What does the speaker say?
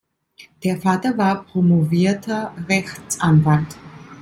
Der Vater war promovierter Rechtsanwalt.